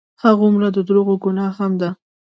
هغومره د دروغو ګناه هم ده.